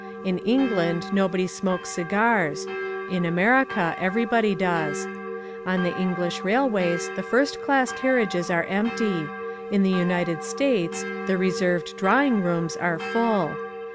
In England nobody smokes cigars: in America everybody does. On the English railways the first class carriages are empty: in the United States the "reserved drawingrooms" are full.